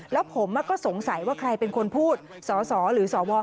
แล้วผมก็สงสัยว่าใครเป็นคนพูดสสหรือสว